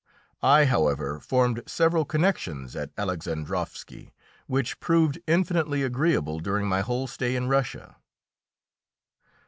I, however, formed several connections at Alexandrovski which proved infinitely agreeable during my whole stay in Russia.